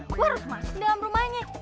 gua harus masukin dalam rumahnya